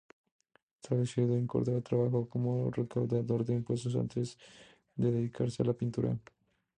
Establecido en Córdoba trabajó como recaudador de impuestos antes de dedicarse a la pintura.